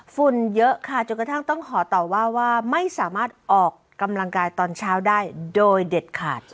เยอะค่ะจนกระทั่งต้องขอต่อว่าว่าไม่สามารถออกกำลังกายตอนเช้าได้โดยเด็ดขาด